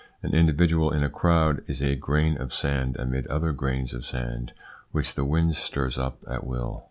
An individual in a crowd is a grain of sand amid other grains of sand, which the wind stirs up at will.